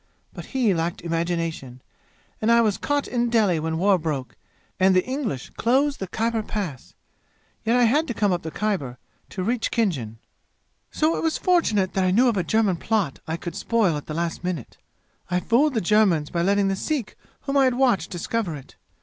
But he lacked imagination, and I was caught in Delhi when war broke and the English closed the Khyber Pass. Yet I had to come up the Khyber, to reach Khinjan. "So it was fortunate that I knew of a German plot that I could spoil at the last minute. I fooled the Germans by letting the Sikh whom I had watched discover it.